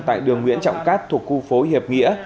tại đường nguyễn trọng cát thuộc khu phố hiệp nghĩa